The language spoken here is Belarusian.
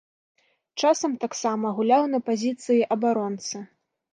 Часам таксама гуляў на пазіцыі абаронцы.